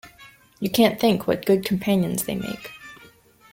You can't think what good companions they make.